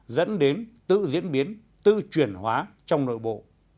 dẫn đến tự diễn biến tự chuyển hóa trong nội bộ